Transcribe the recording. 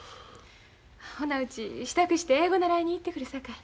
ほなうち支度して英語習いに行ってくるさかい。